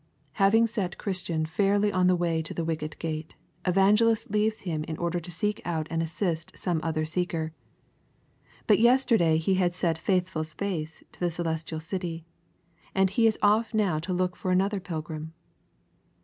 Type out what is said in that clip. Having set Christian fairly on the way to the wicket gate, Evangelist leaves him in order to seek out and assist some other seeker. But yesterday he had set Faithful's face to the celestial city, and he is off now to look for another pilgrim.